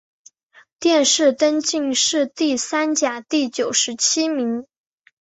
殿试登进士第三甲第九十七名。